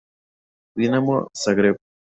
Dinamo Zagreb.